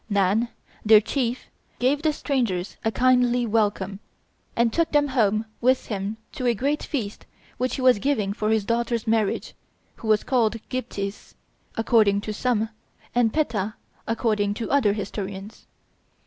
Nann, their chief, gave the strangers kindly welcome, and took them home with him to a great feast which he was giving for his daughter's marriage, who was called Gyptis, according to some, and Petta, according to other historians.